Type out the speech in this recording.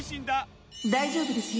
大丈夫ですよ